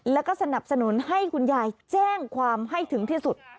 แล้วก็สนับสนุนให้คุณยายแจ้งความให้ถึงที่สุด